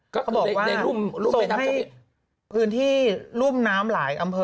เขาบอกว่าส่งให้พื้นที่ร่วมน้ำหลายอำเภอ